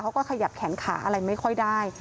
เขาก็ขยับแขนขาอะไรไม่ค่อยได้